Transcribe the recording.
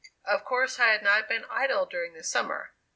Of course I had not been idle during the summer.